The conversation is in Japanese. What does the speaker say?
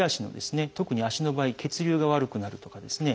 特に足の場合血流が悪くなるとかですね